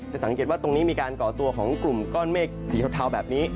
สังเกตว่าตรงนี้มีการก่อตัวของกลุ่มก้อนเมฆสีเทาแบบนี้